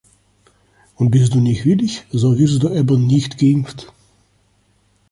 Und bist du nicht willig, so wirst du eben nicht geimpft.